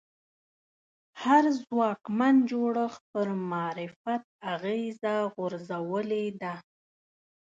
هر ځواکمن جوړښت پر معرفت اغېزه غورځولې ده